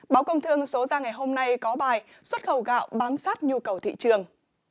báo công thương số ra ngày hôm nay có bài xuất khẩu gạo bám sát nhu cầu thị trường